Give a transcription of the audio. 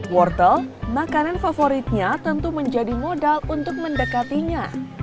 wortel makanan favoritnya tentu menjadi modal untuk mendekatinya